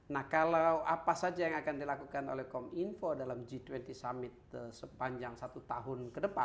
nah kalau apa saja yang akan dilakukan oleh kominfo dalam g dua puluh summit sepanjang satu tahun ke depan